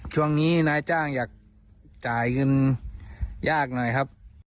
ช่วงนี้นายจ้างอยากจ่ายเงินยากหน่อยครับ